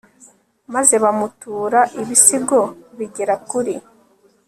maze bamutura ibisigo bigera kuri